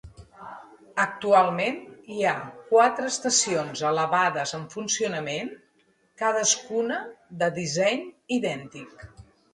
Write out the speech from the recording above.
Actualment hi ha quatre estacions elevades en funcionament, cadascuna de disseny idèntic.